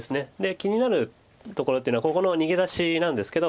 気になるところというのはここの逃げ出しなんですけど。